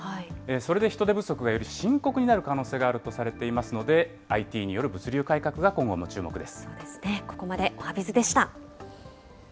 それで人手不足がより深刻になる可能性があるとされていますので、ＩＴによる物流改革が今後も注目です。